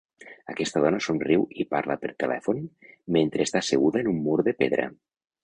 Aquesta dona somriu i parla per telèfon mentre està asseguda en un mur de pedra.